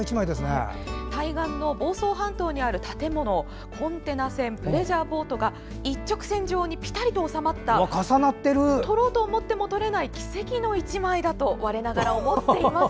対岸の房総半島にある建物コンテナ船、プレジャーボートが一直線上にぴたりと収まった撮ろうと思っても撮れない奇跡の一枚だと我ながら思っています。